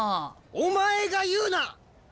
お前が言うな！